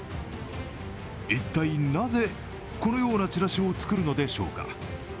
一体なぜ、このようなチラシを作るのでしょうか。